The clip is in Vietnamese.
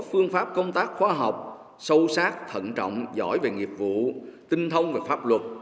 phương pháp công tác khoa học sâu sắc thận trọng giỏi về nghiệp vụ tinh thông về pháp luật